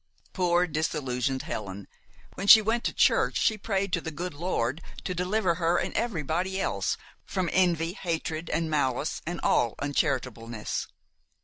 Poor, disillusioned Helen! When she went to church she prayed to the good Lord to deliver her and everybody else from envy, hatred, and malice, and all uncharitableness.